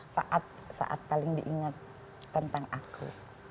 saat saat paling diingat tentang aku